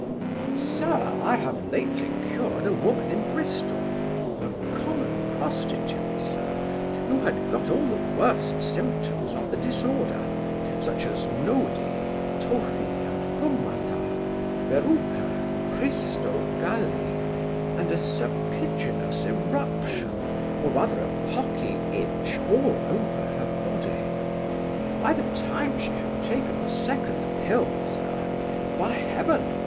Sir, I have lately cured a woman in Bristol a common prostitute, sir, who had got all the worst symptoms of the disorder; such as nodi, tophi, and gummata, verruca, cristoe Galli, and a serpiginous eruption, or rather a pocky itch all over her body. By the time she had taken the second pill, sir, by Heaven!